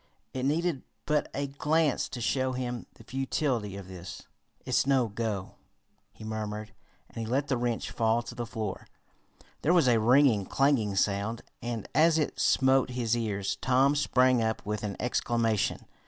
It needed but a glance to show him the futility of this. "It's no go," he murmured, and he let the wrench fall to the floor. There was a ringing, clanging sound, and as it smote his ears Tom sprang up with an exclamation.